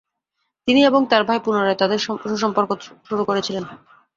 তিনি এবং তার ভাই পুনরায় তাদের সুসম্পর্ক শুরু করেছিলেন।